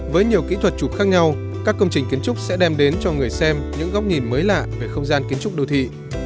với nhiều kỹ thuật chụp khác nhau các công trình kiến trúc sẽ đem đến cho người xem những góc nhìn mới lạ về không gian kiến trúc đô thị